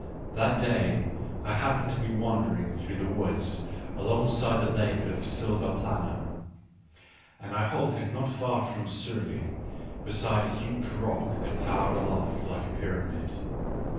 That day I happened to be wandering through the woods alongside of the Lake of Silvaplana, and I halted not far from Surlei, beside a huge rock that towered aloft like a pyramid.